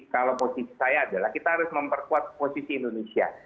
kalau posisi saya adalah kita harus memperkuat posisi indonesia